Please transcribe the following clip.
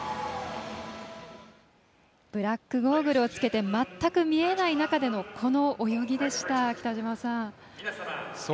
ブラックゴーグルをつけて全く見えない中でのこの泳ぎでした、北島さん。